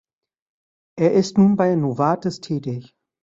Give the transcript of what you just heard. Er ist nun bei Novartis tätig.